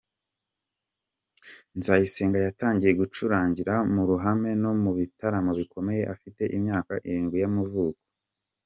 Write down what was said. Nzayisenga yatangiye gucurangira mu ruhame no mu bitaramo bikomeye afite imyaka irindwi y’amavuko.